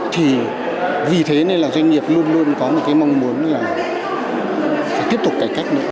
thì vì thế nên là doanh nghiệp luôn luôn có một cái mong muốn là phải tiếp tục cải cách nữa